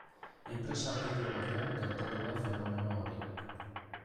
Enpresa pilo batean gertatu da fenomeno hori.